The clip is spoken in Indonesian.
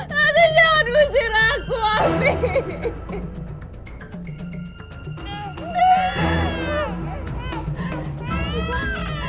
tante jangan usir aku amin